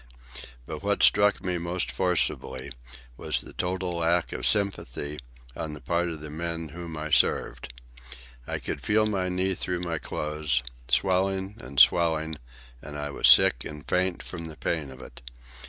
But what struck me most forcibly was the total lack of sympathy on the part of the men whom I served. I could feel my knee through my clothes, swelling, and swelling, and I was sick and faint from the pain of it.